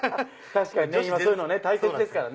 確かに今そういうの大切ですからね。